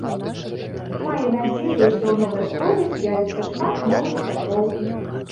Мае надзею, што ў новай школе з'явіцца шмат новых сяброў.